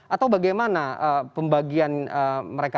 atau bagaimana pembagian mereka